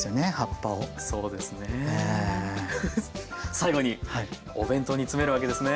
最後にお弁当に詰めるわけですね。